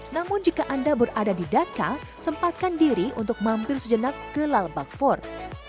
namun jika anda berada di daka sempatkan diri untuk mampir sejenak ke lalbag fort